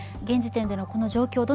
現時点でのこの状況